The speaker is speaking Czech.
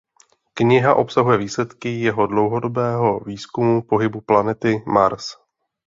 Kniha obsahuje výsledky jeho dlouhodobého výzkumu pohybu planety Mars.